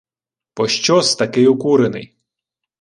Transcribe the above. — Пощо-с такий укурений?